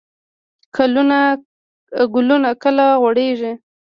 ګلونه کله غوړیږي؟